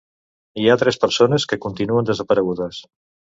Hi ha tres persones que continuen desaparegudes.